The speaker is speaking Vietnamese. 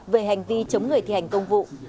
về hành vi chống người thi hành công vụ